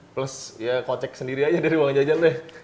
plus ya kocek sendiri aja dari uang jajan deh